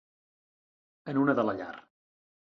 En una de la llar.